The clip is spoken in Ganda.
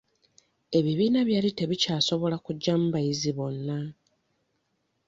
Ebibiina byali tebikyasobola kugyamu bayizi bonna.